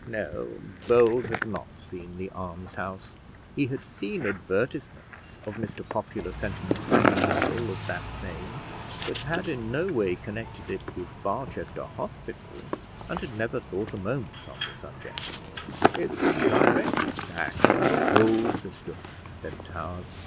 No; Bold had not seen "The Almshouse." He had seen advertisements of Mr Popular Sentiment's new novel of that name, but had in no way connected it with Barchester Hospital, and had never thought a moment on the subject. "It's a direct attack on the whole system," said Towers.